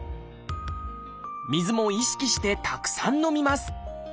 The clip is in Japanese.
水も意識してたくさん飲みます。